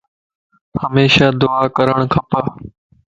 ھميشا دعا ڪرڻ کپ